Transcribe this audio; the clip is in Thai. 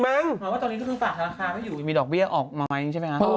หมายความว่าตอนนี้ก็เพิ่งฝากธนาคารก็อยู่มีดอกเบี้ยออกไหมใช่ไหมครับ